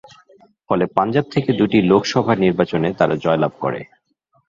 ফলে পাঞ্জাব থেকে দুটি লোকসভা নির্বাচনে তারা জয়লাভ করে।